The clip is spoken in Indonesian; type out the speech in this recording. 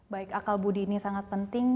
baik akal budi ini sangat penting